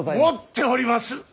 持っております。